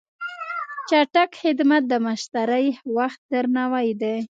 چټک خدمت د مشتری وخت درناوی دی.